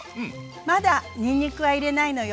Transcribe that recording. まだにんにくは入れないのよ。